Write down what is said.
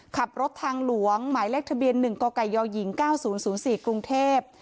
ขับรถทางหลวงหมายเลขทะเบียน๑กกยหญิง๙๐๐๔กรุงเทพฯ